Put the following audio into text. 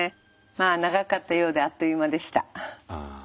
長かったようであっという間でした。